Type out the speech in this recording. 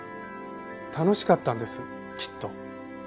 楽しかったんですきっと。